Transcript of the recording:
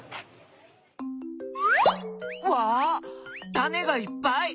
タネがいっぱい。